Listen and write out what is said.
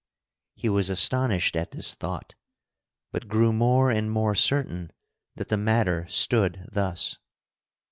He was astonished at this thought, but grew more and more certain that the matter stood thus.